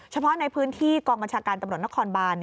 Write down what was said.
เฉพาะในพื้นที่กองบัญชาการตำรวจนครบาน